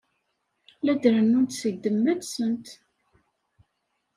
La d-rennunt seg ddemma-nsent.